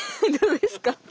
どうですか？